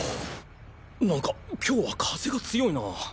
何か今日は風が強いな。